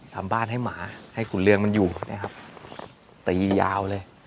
ทำบ้านให้หมาให้ขุนเรืองมันอยู่นะครับตียาวเลย